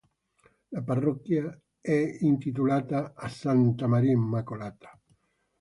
La parrocchia è intitolata a "Santa Maria Immacolata".